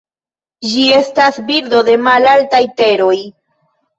Ĝi estas birdo de malaltaj teroj.